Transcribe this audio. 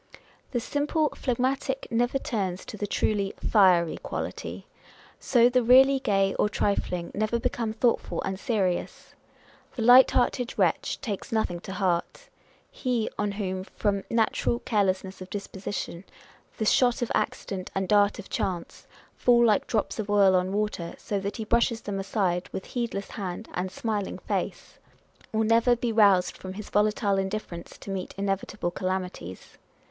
The simply phlegmatic never turns to the truly " fiery quality." So, the really gay or trifling never become thoughtful and serious. The light hearted wretch takes nothing to heart. He, on whom (from natural careless ness of disposition) " the shot of accident and dart of chance " fall like drops of oil on water, so that he brushes them aside with heedless hand and smiling face, will On Personal Character. 333 never be roused from his volatile indifference to meet inevitable calamities.